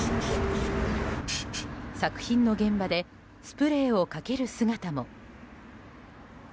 作品の現場でスプレーをかける姿も。